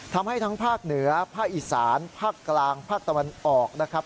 ทำให้ทั้งภาคเหนือภาคอีสานภาคกลางภาคตะวันออกนะครับ